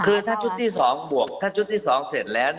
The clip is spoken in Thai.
คือถ้าชุดที่๒บวกถ้าชุดที่๒เสร็จแล้ว